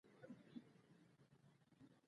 خو دوی دا نه ویني چې د افغانستان شرایط هغه شان نه دي